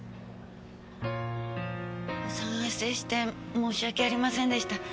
お騒がせして申し訳ありませんでした。